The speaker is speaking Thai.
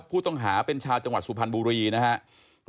ผู้ต่างหาเป็นชาวจังหวัดศุภัณฑ์บูรีนะครับ